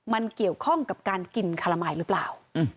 มันเกี่ยวข้องกับการกินคารามายหรือเปล่า